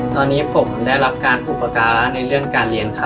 ตอนนี้ผมได้รับการอุปการะในเรื่องการเรียนครับ